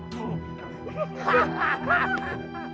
kurang ajar lo